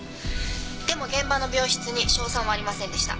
「でも現場の病室に硝酸はありませんでした」